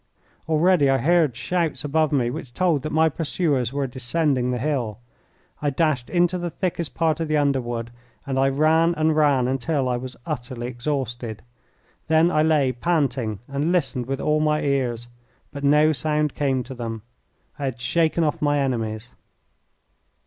Already I heard shouts above me which told that my pursuers were descending the hill. I dashed into the thickest part of the underwood, and I ran and ran until I was utterly exhausted. Then I lay panting and listened with all my ears, but no sound came to them. I had shaken off my enemies.